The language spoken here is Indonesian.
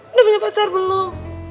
udah punya pacar belum